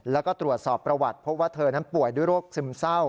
แล้วก็ตรวจสอบประวัติพบว่าเธอนั้นป่วยด้วยโรคซึมเศร้า